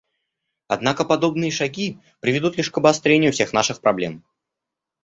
Однако подобные шаги приведут лишь к обострению всех наших проблем.